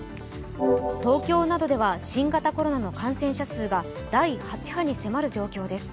東京などでは新型コロナの感染者数が第８波に迫る状況です。